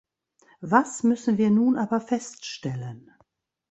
Was müssen wir nun aber feststellen?